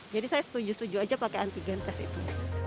jadi saya setuju setuju aja pakai antigen tes itu